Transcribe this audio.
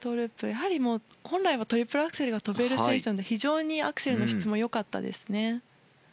やはり本来はトリプルアクセルが跳べる選手なので非常にアクセルの質も良かったですね。